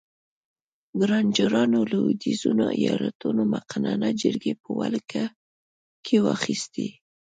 ګرانجرانو لوېدیځو ایالتونو مقننه جرګې په ولکه کې واخیستې.